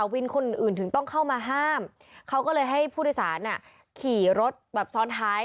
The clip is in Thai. วินคนอื่นถึงต้องเข้ามาห้ามเขาก็เลยให้ผู้โดยสารขี่รถแบบซ้อนท้าย